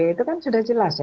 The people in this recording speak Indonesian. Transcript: itu kan sudah jelas ya